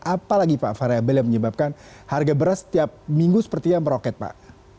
apalagi pak variabel yang menyebabkan harga beras setiap minggu seperti yang meroket pak